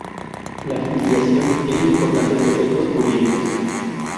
La filiación tiene importantes efectos jurídicos.